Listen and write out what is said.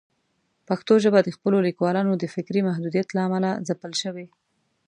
پښتو ژبه د خپلو لیکوالانو د فکري محدودیت له امله ځپل شوې.